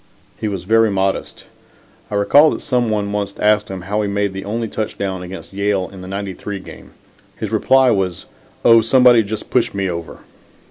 He was very modest. I recall that some one once asked him how he made the only touchdown against Yale in the '93 game. His reply was: "Oh, somebody just pushed me over."